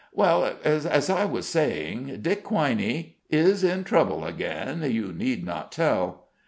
Well, as I was saying, Dick Quiney "" Is in trouble again, you need not tell."